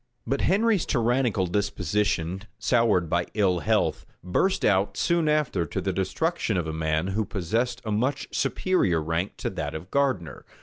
But Henry's tyrannical disposition, soured by ill health, burst out soon after to the destruction of a man who possessed a much superior rank to that of Gardiner.